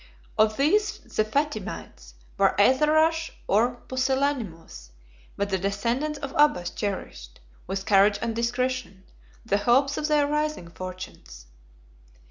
Of these the Fatimites were either rash or pusillanimous; but the descendants of Abbas cherished, with courage and discretion, the hopes of their rising fortunes.